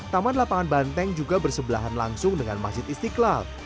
taman lapangan banteng juga bersebelahan langsung dengan masjid istiqlal